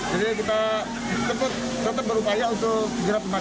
jadi kita tetap berupaya untuk segera pemadaman